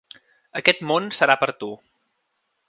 Aquest món serà per a tu.